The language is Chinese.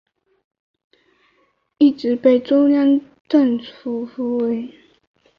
此后该家族继承人一直被中央政府封为辅国公或台吉爵位。